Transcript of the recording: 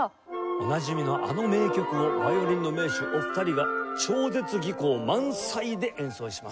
おなじみのあの名曲をヴァイオリンの名手お二人が超絶技巧満載で演奏します。